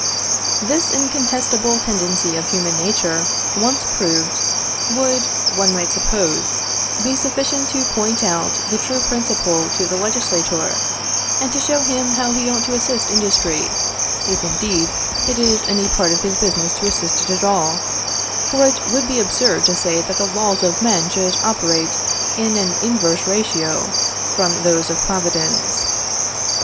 This incontestable tendency of human nature, once proved, would, one might suppose, be sufficient to point out the true principle to the legislator, and to show him how he ought to assist industry (if indeed it is any part of his business to assist it at all), for it would be absurd to say that the laws of men should operate in an inverse ratio from those of Providence.